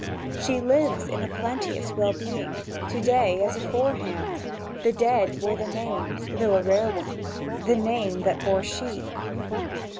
"She lives, in a plenteous well being, To day as aforehand; The dead bore the name—though a rare one— The name that bore she."